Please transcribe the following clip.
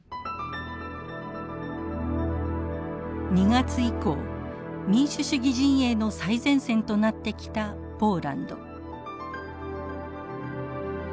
２月以降民主主義陣営の最前線となってきたポーランド。